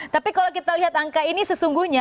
tapi kalau kita lihat angka ini sesungguhnya